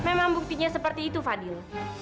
memang buktinya seperti itu fadil